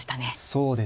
そうですね。